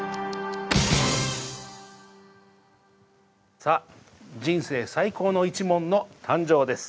さあ人生最高の一問の誕生です。